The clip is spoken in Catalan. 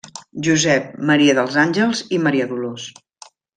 Josep, Maria dels Àngels i Maria Dolors.